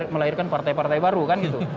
melahirkan partai partai baru kan gitu